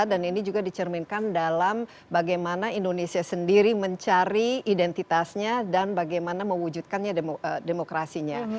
dan ini juga dicerminkan dalam bagaimana indonesia sendiri mencari identitasnya dan bagaimana mewujudkannya demokrasinya